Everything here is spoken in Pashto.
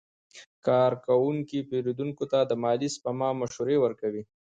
کارکوونکي پیرودونکو ته د مالي سپما مشورې ورکوي.